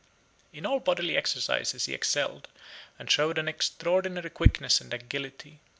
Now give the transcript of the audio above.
In all bodily exercises he excelled, and showed an extraordinary quickness and agility.